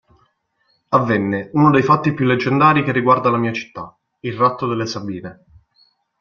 Avvenne uno dei fatti più leggendari che riguarda la mia città: il ratto delle Sabine.